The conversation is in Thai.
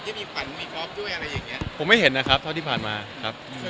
ที่มีฝันมีกอล์ฟด้วยอะไรอย่างเงี้ยผมไม่เห็นนะครับเท่าที่ผ่านมาครับ